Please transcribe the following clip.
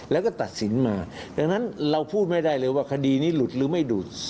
แล้วก็ตัดสินมาดังนั้นเราพูดไม่ได้เลยว่าคดีนี้หลุดหรือไม่หลุด